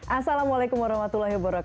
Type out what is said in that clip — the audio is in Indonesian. assalamualaikum wr wb